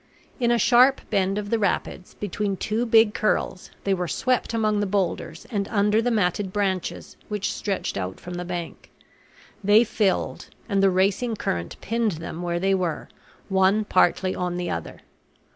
In a sharp bend of the rapids, between two big curls, they were swept among the boulders and under the matted branches which stretched out from the bank. They filled, and the racing current pinned them where they were, one partly on the other.